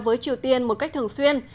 với triều tiên một cách thường xuyên